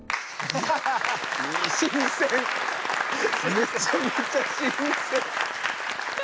めちゃめちゃ新鮮！